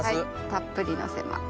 たっぷりのせます。